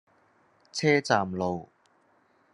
車站路